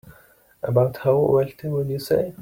About how wealthy would you say?